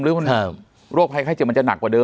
โรคภัยไข้เจ็บมันจะหนักกว่าเดิ